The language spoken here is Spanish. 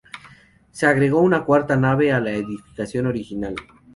Se agregó una cuarta nave a la edificación original.